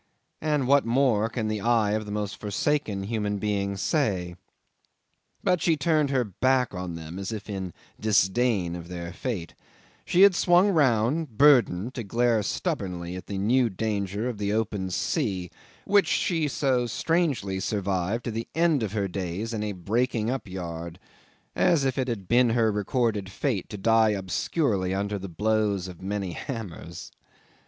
. and what more can the eye of the most forsaken of human beings say? But she turned her back on them as if in disdain of their fate: she had swung round, burdened, to glare stubbornly at the new danger of the open sea which she so strangely survived to end her days in a breaking up yard, as if it had been her recorded fate to die obscurely under the blows of many hammers.